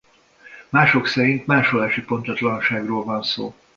Mások szerint másolási pontatlanságokról van szó.